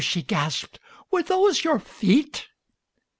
she gasped. "Were those your feet?"